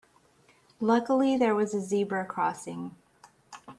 Luckily there was a zebra crossing.